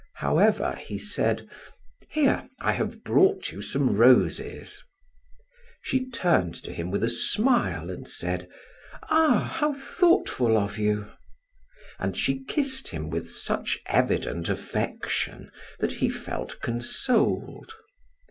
However, he said: "Here, I have brought you some roses!" She turned to him with a smile and said: "Ah, how thoughtful of you!" and she kissed him with such evident affection that he felt consoled.